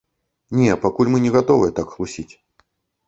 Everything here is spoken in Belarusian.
Не, пакуль мы не гатовыя так хлусіць.